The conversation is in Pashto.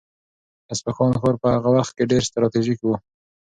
د اصفهان ښار په هغه وخت کې ډېر ستراتیژیک و.